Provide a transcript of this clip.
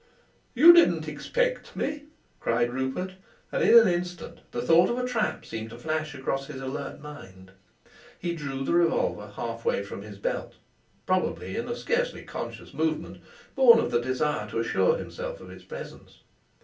"You didn't expect me?" cried Rupert, and in an instant the thought of a trap seemed to flash across his alert mind. He drew the revolver halfway from his belt, probably in a scarcely conscious movement, born of the desire to assure himself of its presence.